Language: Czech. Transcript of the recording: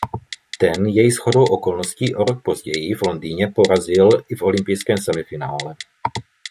Ten jej shodou okolností o rok později v Londýně porazil i v olympijském semifinále.